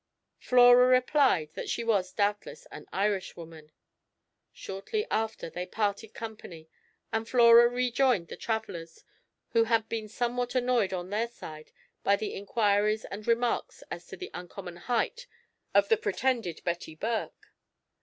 Flora replied that she was doubtless an Irishwoman. Shortly after they parted company, and Flora rejoined the travellers, who had been somewhat annoyed on their side by the inquiries and remarks as to the uncommon height of the pretended Betty Burke.